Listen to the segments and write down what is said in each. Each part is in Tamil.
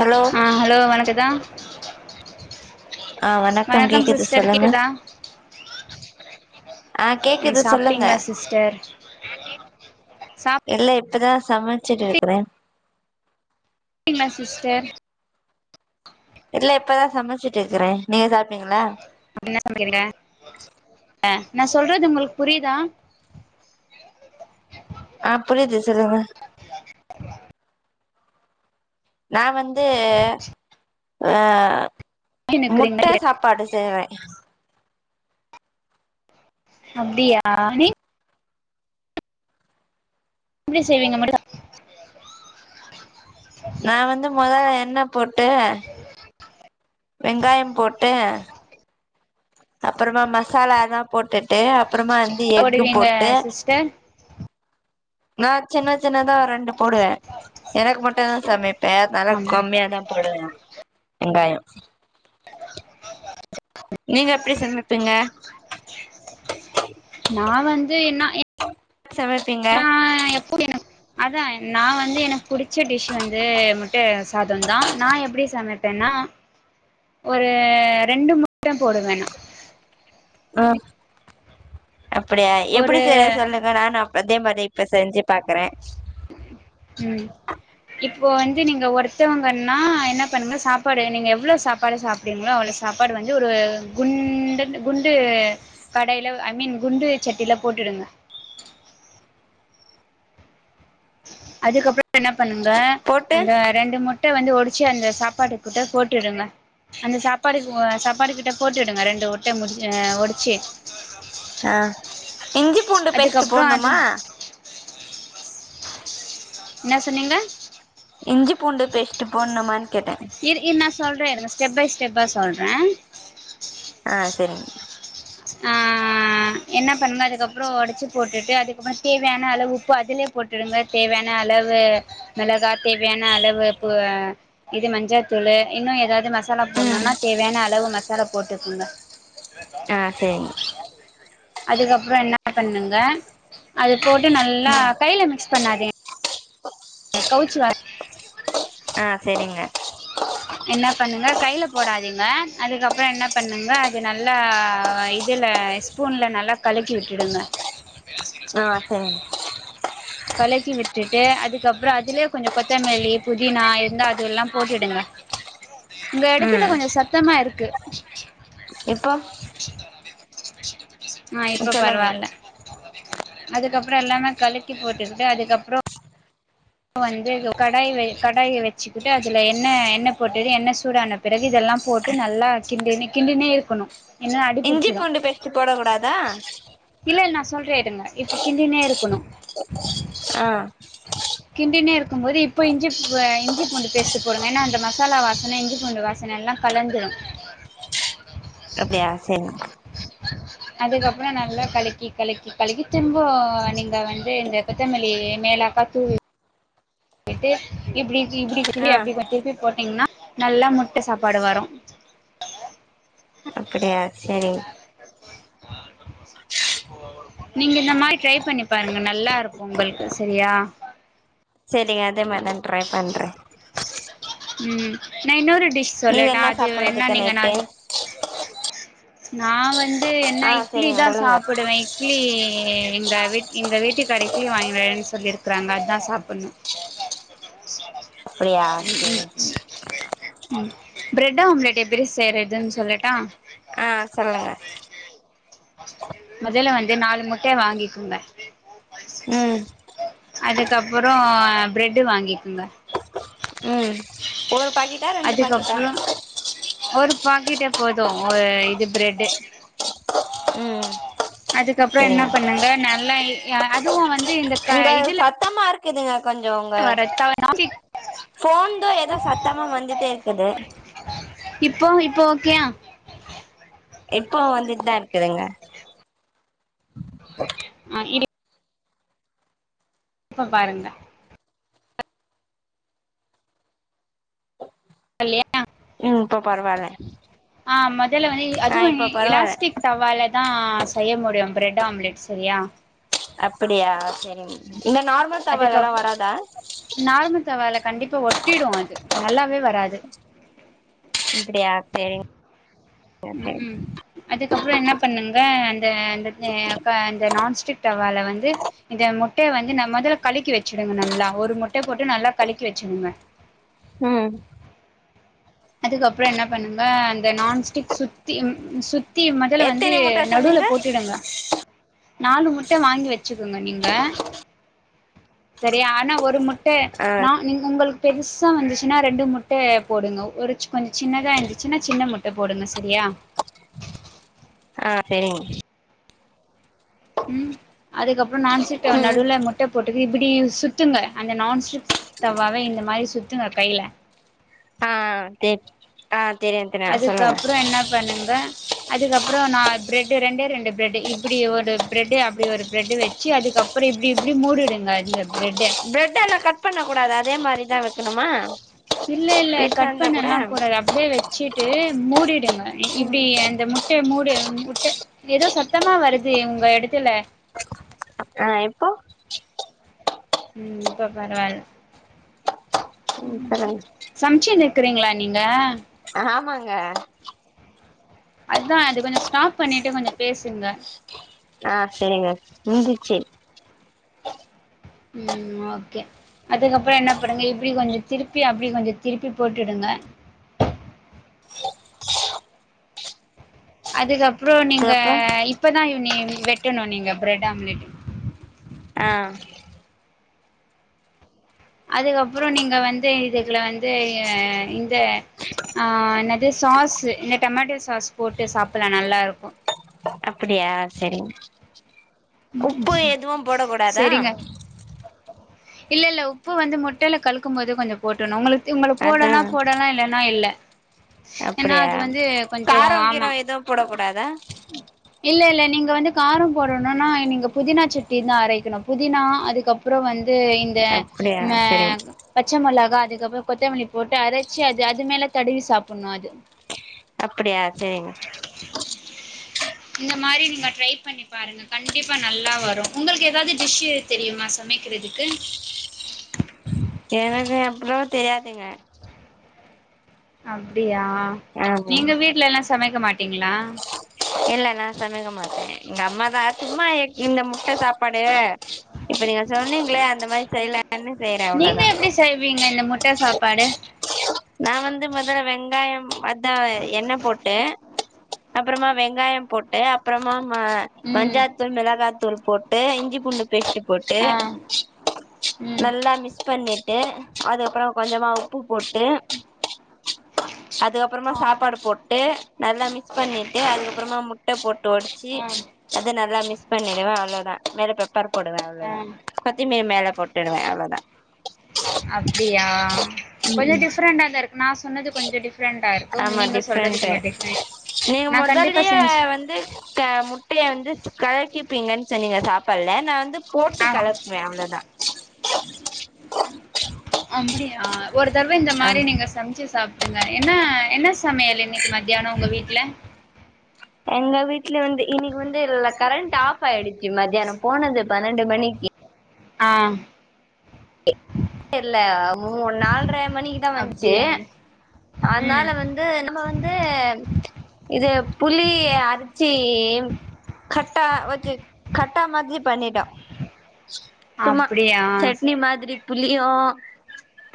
ஹலோ ஆ ஹலோ வணக்கோதா ஆ வணக்கம் கேக்குது சிஸ்டர் சொல்லுங்க கேக்குதா ஆ ம் கேக்குது சொல்லுங்க சாப்ட்டீங்களா சிஸ்டர் இல்ல இப்பதான் சமைச்சுட்டு இருக்கறேன் ங்களா சிஸ்டர் இல்ல இப்பதான் சமைச்சிட்டு இருக்கறேன் நீங்க சாப்டிங்களா என்ன சமைல் நான் சொல்றது உங்களுக்கு புரியுதா அ புரிது சொல்லுங்க ஆ நா வந்து ஆ முட்ட நிக்கிறீங்க சாப்பாடு செய்றே அப்படியா நீ எப்படி செய்வீங்க முட்ட நா வந்து முதல்ல எண்ண போட்டு வெங்காயோ போட்டு அப்புறமா மசாலாலா போட்டுட்டு அப்புறமா வந்து எக்கு போடுவீங்க போட்டு சிஸ்டர் நான் சின்ன சின்னதான் ரெண்டு போடுவே எனக்கு மட்டூம்தான் சமைப்ப அதனால அப்டி கம்மியாதா போடுவே வெங்காயோ அ நீங்க எப்படி சமிப்பீங்க நா வந்து என்ன சமைப்பீங்க எப்போ என அதான் நா வந்து எனக்கு பிடிச்ச டிஷ்ஷு வந்து முட்ட சாதோ தா நா எப்டி சமைப் னா ஒரு ரெண்டு முட்ட போடுவே நா ஆ அப்படியா எப்டி ஒரு செய்ர சொல்லுங்க நானும் அதே மாரி இப்ப செஞ்சு பாக்குறே ம் இப்போ வந்து நீங்க ஒருத்தவங்கன்னா என்ன பண்ணுங்க சாப்பாடு நீங்க எவ்ளோ சாப்பாடு சாப்டுவிகளோ அவளோ சாப்பாடு வந்து ஒரு குண்டு குண்டு கடையில ஐ மீன் குண்டு சட்டியில போட்டு போட்டடுங்க இ அதுக்கப்புறம் என்ன பண்ணுங்க போட்டு அந்த ரெண்டு முட்ட வந்து ஒடிச் ச்ச அந்த சாப்பாடு குட்ட போட்டுடுங்க அந்த சாப்பாடு சாப்பாடு கிட்ட போட்டுடுங்க ரெண்டு முட்ட முடி ஒடிச்சு ஆ இஞ்சி பூண்டு பேஸ்ட் அதுக்கப்புறோ அது போடுணுமா என்னா சொன்னிங்க இஞ்சி பூண்டு பேஷ்ட்டு போடணுமான் இர் இ நா சொல்ற இருங்க ஸ்டெப் பை ஸ்டெப்பா சொல்ற ஆ சரிங் ஆ என்ன பண்ணு அதுக்கப்புறோ ஒடைச்சு போட்டுட்டு அதுக்கப்புறோ தேவையான அளவு உப்பு அதுலயே போட்டுடுங்க தேவையான அளவு மெளகா தேவையான அளவு ப இது மஞ்சா தூளு இன்னு எதாது மசாலா ம் போடணுனா தேவையான அளவு மசாலா போட்டுக்குங்க ஆ சரிங்க அதுக்கப்புறோ என்னா பண்ணுங்க அது போட்டு நல்லா கைல மிக்ஸ் பண்ணாதே கவுச்சி வா ஆ சரிங்க என்னா பண்ணுங்க கைல போடாதிங்க அதுக்கப்பற என்ன பண்ணுங்க அது நல்லா இதி ல ஸ்பூன்ல நல்லா கலக்கி விட்டுடுங்க அ செரிங்க கலக்கி விட்டுட்டு அதுக்கப்பற அதுலே கொஞ்ச கொத்தமல்லி புதினா இருந்தா அது எல்லா போட்டுடுங்க உங்க எடத்துல ம் கொஞ்ச சத்தமா இருக்கு இப்போ ஆ இப்போ சொல்லுங்க பரவால அதுக்கப்பற எல்லாமே கலக்கி போட்டுகிட்டு அதுக்கப்பற வந்து கடாய்ல கடாய வச்சுகிட்டு அதுல எண்ணெ எண்ணெ போட்டு எண்ணெ சூடான பிறகு இதெல்லா லாம் போட்டு நல்லா கிண்டினு கிண்டினே இருக்கனு இன்னு இஞ்சி அடிபுடிச்சிடு பூண்டு பேஸ்ட் போட கூடாதா இல்லல் நா சொல்றே இருங்க இப்ப கிண்டினே இருக்கணு ஆ கிண்டினே இருக்கும் போது இப்போ இஞ்சி ப இஞ்சி பூண்டு பேஸ்ட் போடுங்க ஏனா அந்த மசாலா வாசனை இஞ்சி பூண்டு வாசனை எல் ல்லா கலந்துரு அப்டியா சேரி அதுக்கப்பற நல்லா கலக்கி கலக்கி கலக்கி திம்பொ நீங்க வந்து இந்த கொத்தமல்லி மேலா ப்ப தூவி விட்டு இப்டி இப்டி கிண்டி ஆ அப்டி திருப்பி போட் டிங்னா நல்லா முட்ட சாப்பாடு வரு அப்பிடியா செரி ஆ நீங்க இந்த மாரி ட்ரை பண்ணி பாருங்க நல்லா இருக்கு உங்களுக்கு சரியா செரி அதே மாரி நா ட்ரை பண்றே ம் நா இன்னொரு டிஷ் நீங்க சொல்லட்டா என்ன அதுவேனா சாப்பிடுறதுக்கு நீங்க நா நைட்டு நா வந்து ஆ என்ன இட்லி சரிங்க தா சொல்லுங்க சாப்புடுவே இட்லி எ எங்க வீ எங்க வீட்டுக்காரு இட்லி வாங்கினு வரேனு சொல்லிருக்குறாங்க அதா சாப்படனு ம்ச்ச அப்படியா சேரி பிரெட் ஆம்லெட் எப்படி செய்யறதுன் சொல்லட்டா ஆ சொல்லுங்க மொதல வந்து நாலு முட்டைய வாங்கிகோங்க ம் அதுக்கப்பற பிரெட்டு வாங்கிக்குங்க ம் ஒரு பாக்கெட்டா ரெண்டு பாக்கெட்டா அதுக்கப்புறோ ஒரு பாக்கெட்டே போதும் ஒரு இது ப்ரெட் ம் ம் அதுக்கப்பறோ என்ன பண்ணுங்க நல்லாயி அதுவு வந்து இந்த க உங்கள் இதுல சத்தமா இருக்குதுங்க கொஞ்ச உங்க வர போன்தா எதோ சத்தமா வந்துட்டே இருக்குது இப்போ இப்போ ஓக்கையா இப்போ வந்துட்டு தா இருக்குதுங்க ஆ இ இப்ப பாருங்க வல்லயா ம் இப்ப பரவால்ல ஆ மொதல்ல வந்து ஆ அதுவு இப்போ பரவால்ல இலாஸ்டிக் தவால தா செய்ய முடியு ப்ரெட் ஆம்லெட் செரியா அப்புடியா செரி இந்த நார்மல் தவாலெல்லா அதுக்கப் வராதா இப்ப ஒட்டிடு அது நல்லாவே வராது. அப்டியா செரிங் ம் ம் அதுக்கப்பறோ என்ன பண்ணுங்க அந்த அ க நான்ஸ்டிக் தவால வந்து இந்த முட்டைய வந்து நம்ம மொதல்ல கழக்கி வச்சுடுங்க நல்லா ஒரு முட்டைய போட்டு நல்லா கழக்கி வெச் சுருக்க ம் ம் அதுக்கப்பறோ என்ன பண்ணுங்க அந்த நான்ஸ்டிக் சுத்தி சுத் சுத்தி மொதல்ல வந்து எத்தனை முட்ட நடுல சொன்னீங்க போட்டுடுங்க. நாலு முட்ட வாங்கி வச்சுக்கோங்க நீங்க சரியா ஆனா ஒரு முட் க்க ஆ நா நீ உங்களுக் பெருசா வந்துச்சுன்னா ரெண்டு முட்ட போடுங்க ஒரு கொஞ்ச சின்னதா இருந்துச்சுன்னா சின்ன முட்ட போடுங்க செரியா ஆ ஆ செரிங் ம் அதுக்கப்பறோ நான்ச்சிட்டோ ம் நடுவுல முட்ட போட்டு இப்புடி சுத்துங்க அந்த நான்ஸ்டிக் தவாவே இந்த மாரி சுத்துங்க கையில ஆ தெ அ அதுக்கப்பறோ என்ன பண்ணுங்க. அதுக்கப்பறோ நா ப்ரெட்டு ரெண்டே ரெண்டு ப்ரெட் இப்டி ஒரு பிரெட் அப்டி ஒரு ப்ரெட் வச்சு அதுக்கப்பறோ இப்டி இப்டி மூடிடுங்க இந்தப் பரெட் எல்லா கட் பண்ண கூடாது அதே மாரிதா வெக்கணுமா இல்ல இல்ல கட் பண்ண எல்லா கூடாது அப்டியே வச்சிட்டு மூடிடுங்க. ம் இப்டி அந்த முட்டைய மூடி முட்ட எதோ சத்தமா வருது உங்க எடத்துல ஆ இப்போ ம் இப்ப பரவால ம் சொல்லுங் இருக்குறீங்களா நீங்க ஆமாங்க அதா அது கொஞ்சோ ஸ்டாப் பண்ணிட்டு கொஞ்ச பேசுங்க. ஆ செரிங்க முடிஞ்சிச்சு ம் ஓகே அதுக்கப்பறோ என்ன பன்னுங்க இப்டி கொஞ்சோ திருப்பி அப்டி கொஞ்ச திருப்பி போட்டுடுங்க. ஓ அதுக்கப்றோ நீங்க அதுக்கப்றோ இப்பதா யூனியன் வெட்டணு நீங்க ப்ரெட் ஆம்லெட் ஆ அதுக்கப்றோ நீங்க வந்து இதுக்குல வந்து ய இந்த ஆ என்னது சாஸ் இந்த டொமேட்டோ சாஸ் போட்டு சாப்டலா நல்லா இருக்கு அப்படியா சரிங்க. உப்பு எதுவும் போட கூடாதா. செரிங்க இல்ல இல்ல உப்பு வந்து முட்டையில கழுக்கும் போது கொஞ்சம் போடணும் உங்களுக்கு உங்களுக்கு அதா போடனா போடலா இல்லனா இல்ல. ஏன்னா அப்டியா அது வந்து கொஞ்சம் காரோ ஆமா கீரோ எதுவு போடக் கூடாதா இல்ல இல்ல. நீங்க வந்து காரம் போடணும்னா நீங்க புதினா சட்டி தான் அரைக்கணும் புதினா அதுக்கப்புறம் வந்து. இந்த அப்டியா செரிங்க பச்சை மொளாக. அதுக்கப்புறம் கொத்தமல்லி போட்டு அரைச்சு அது அது மேல தடுவி சாப்டணு அது. அப்படியா சரிங்க. இந்த மாரி நீங்க ட்ரை பண்ணி பாருங்க கண்டிப்பா நல்லா வரும் உங்களுக்கு ஏதாவது டிஷ்சு தெரியுமா சமைக்கிறதுக்கு. க்கு எனக்கு எவ்வளோ தெரியாதீங்க. அப்டியா ஆமாங்க நீங்க வீட்ல எல்லா சமைக்க மாட்டீங்களா. இல்ல நான் சமைக்க மாட்டே எங்க அம்மா தான் அ சும்மா இந்த முட்ட சாப்பாடு. நீங்க சொன்னீங்களே அந்த மாதிரி செய்யல [unintelligible] சயி றேன் நீங்க அவ்ளோதா எப்டி செய்வீங்க இந்த முட்ட சாப்பாடு நா வந்து முதல்ல வெங்காயம் அதான் என்ன போட்டு அப்புறமா வெங் வெங்காயம் போட்டு அப்புறமா ம் மஞ்சாத்தூள் மிளகாத்தூள் போட்டு இஞ்சி பூண்டு வெட்டி போட்டு ஆ ம் நல்லா மிஸ் பண்ணி விட்டு அதுக்கப்புறம் கொஞ்சமா உப்பு போட்டு அதுக்கப்புறமா ஆ சாப்பாடு போட்டு நல்லா மிக்ஸ் பண்ணிட்டு அதுக் அப்புறமா முட்ட போட்டு ஒடிச்சு ஆ அத நல்லா மிஸ் பண்ணிடுவே அவ்வளோதா மேல பெப் பர் போடுவ அவ்வளோதா ஆ கொத்திமல்லி மேலே போட்டுடுவே அவ்வளோதா அப்டியா கொஞ்ச டிஃப்ரெண்டா தான் இருக்கு நான் சொன்னது கொஞ்சம் டிஃப் டிஃப்ரெண்டா இருக்கும் ஆமா நீங்க சொல்றது டிஃப்ரெண்ட்டு கொஞ்சம் டிஃப்ரெண்ட் நீங்க நா கண்டிப்பா முதலயே செஞ்சு வந்து முட்டையை வந்து கலக்கி ப்பீங்கன்னு சொன்னீங்க சாப்பாடல நான் வந்து போட்டு ஆமா கலக்வே அவ்ளதா அப்படியா ஒரு தடவை இந்த மாரி ஆமா நீங்க சமைச்சு சாப் ங்க என்ன என்ன சமையல் இன்னைக்கு மத்தியானம் உங்க வீட்ல எங்க வீட்ல வந்து இன்னக்கி வந்து எல்ல கரண்ட் ஆஃப் ஆயிடுச்சு மத்தியானம் போனது பன்னெண்டு மணிக்கு [unintelligible] ஆ இல்ல மூ நாலரை மணிக்குதான் வந்துச்சு அப்டியா அதனால ம் வந்து நம்ம வந்து இது புளி அரச்சி கட்டா வச்சு கட்டா மாதிரி பண்ணிட்டோ சும்மா அப்டியா சட்னி மாதிரி புளியோ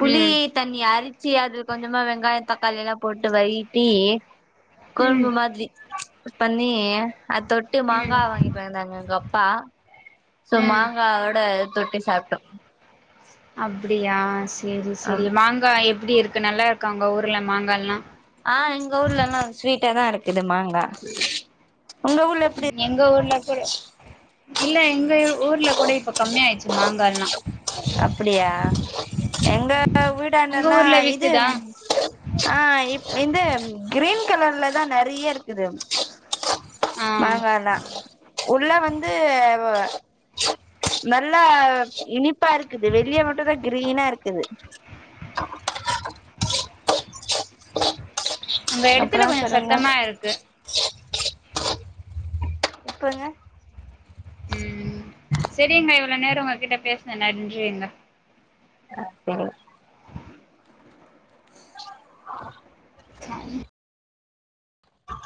புளி ம் தனி அரி ச்சி அது கொஞ்சமா வெங்காய தக்காளி எல்லா போட்டு வயிட்டி ம் கொழும்பு மாதிரி பண்ணி அத் தொட்டு மாங்கா ம் வாங்கிட் வந்தாங்க எங்க அப்பா ப்பா சோ ம் மாங்கா ஓட தொட்டு சாப்ட்டோ அப்படியா சரி ஆ சரி மாங்காய் எப்படி இருக்கு நல்லா இருக்கா உங்க ஊரல மாங்கால்லா இது மாங்கா உங்க ஊர்ல எப்டி எங்க ஊர்ல இல்ல எங்க ஊர்ல கூட இப்ப கம்மி ஆயிச்சு மாங்கால்லா அப்படியா எங்க உங்க வீடாண்டன்னா ஊர்ல இது விக்குதா ஆ வந்து கிரீன் கலர்ல தான் நறைய இருக்குது ஆ மாங்காலா உள்ள வந்து நல்லா இனிப் ப்பா இருக்குது வெளிய மட்டும் தா கிரீனா இருக்குது [unintelligible] உங்க அப்பற இடத்துல கொஞ்சோ சொல்லங்க சத்தமா இருக்கு இப்பங்க ம் சரிங்க இவ்வள நேர உங்க கிட்ட பேசுன நன்றிங்க அ சரி [unintelligible] சரி ஆஹ